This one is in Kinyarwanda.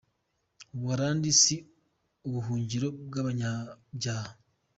U Buholandi si ubuhungiro bw’abanyabyaha